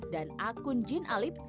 dan akun jin alip